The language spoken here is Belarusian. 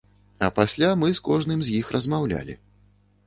А пасля мы з кожным з іх размаўлялі.